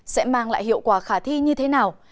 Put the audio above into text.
sẽ mang lại hiệu quả khả thi như thế nào